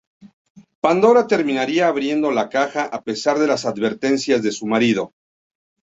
Pandora terminaría abriendo la caja a pesar de las advertencias de su marido.